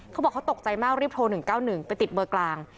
เขาบอกเขาตกใจมากรีบโทร๑๙๑ไปติดเบอร์กลาง